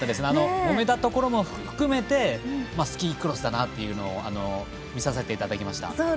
もめたところも含めてスキークロスだなっていうのを見させていただきました。